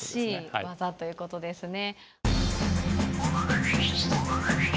らしい技ということですね。